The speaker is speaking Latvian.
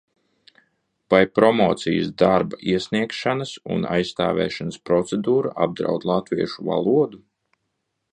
Vai promocijas darba iesniegšanas un aizstāvēšanas procedūra apdraud latviešu valodu?